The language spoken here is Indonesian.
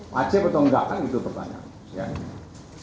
wajib atau enggak kan itu pertanyaan